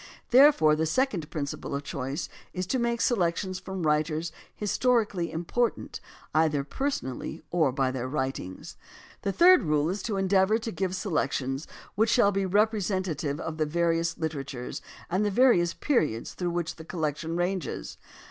Therefore the second principle of choice is to make selections from writers historically important either personally or by their writings. The third rule is to endeavor to give selections which shall be representative of the various literatures and the various periods through which the collection ranges.